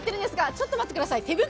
ちょっと待ってください、手袋。